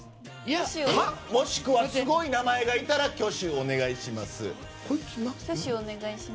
もしくはすごい名前がいたら挙手をお願いします。